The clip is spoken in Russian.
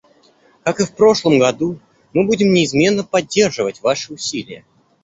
Как и в прошлом году, мы будем неизменно поддерживать ваши усилия.